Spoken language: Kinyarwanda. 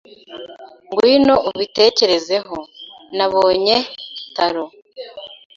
Ngwino ubitekerezeho, Nabonye Taro.